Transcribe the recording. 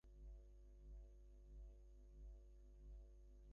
নলিনাক্ষ জিজ্ঞাসা করিল, কেন মা?